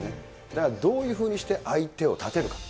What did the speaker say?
だからどういうふうにして相手を立てるか。